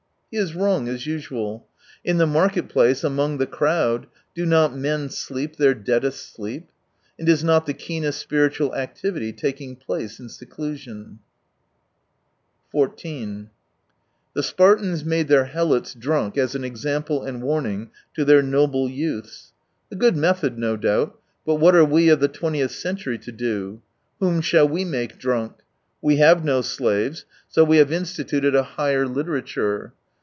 He is wrong as usual. In the market place, among the crowd, do not men sleep their deadest sleep ? And is not the keenest spiritual activity' taking place in seclusion f The Spartans made their helots drunk as an example and warning to their noble youths. A good method, no doubt, but what are we of the twentieth century to do f Whom shall we make drunk ? We have no slaves, so we have instituted a higher 165 literature.